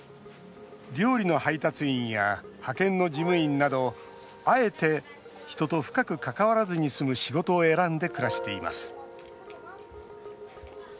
料理の配達員や派遣の事務員などあえて、人と深く関わらずに済む仕事を選んで暮らしています。